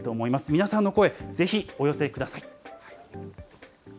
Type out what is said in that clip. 皆さんの声、ぜひお寄せください。